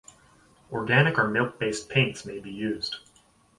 Organic or milk-based paints may be used.